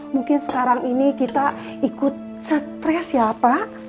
mungkin sekarang ini kita ikut stres ya pak